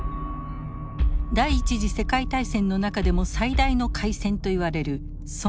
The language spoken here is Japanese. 第一次世界大戦の中でも最大の会戦といわれるソンムの戦い。